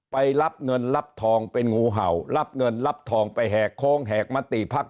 ไปรับเงินรับทองเป็นงูเห่ารับเงินรับทองไปแหกโค้งแหกมติภักดิ